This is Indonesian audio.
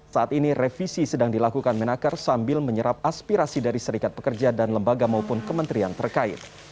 saat ini revisi sedang dilakukan menaker sambil menyerap aspirasi dari serikat pekerja dan lembaga maupun kementerian terkait